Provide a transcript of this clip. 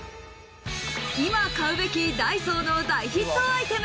今、買うべきダイソーの大ヒットアイテム。